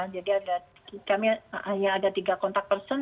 jadi kami hanya ada tiga kontak person